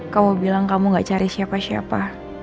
kamu bilang kamu gak cari siapa siapa